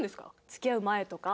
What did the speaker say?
付き合う前とか。